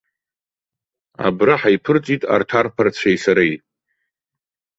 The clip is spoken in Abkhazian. Абра ҳаиԥырҵит арҭ арԥарцәеи сареи.